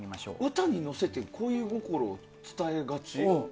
歌に乗せて恋心を伝えがち？